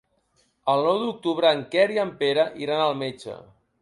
El nou d'octubre en Quer i en Pere iran al metge.